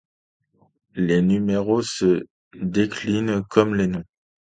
Les numéraux se déclinent comme les noms.